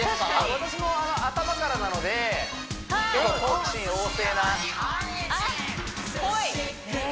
私も頭からなので結構好奇心旺盛なっぽい！